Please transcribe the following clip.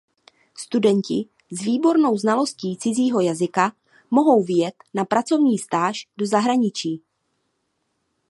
Studenti s výbornou znalostí cizího jazyka mohou vyjet na pracovní stáž do zahraničí.